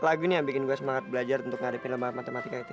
lagu ini yang bikin gue semangat belajar untuk ngarepin lembar matematika itu